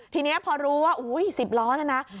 ทีนี้พอรู้ว่าอุ๊ยสิบล้อเนี่ยนะ